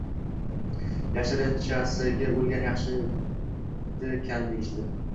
Yashirinchasiga, o‘lgani yaxshidikan deyishdi